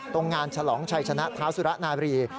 ตรงงานฉลองชัยชนะเท้าสุระนาบรี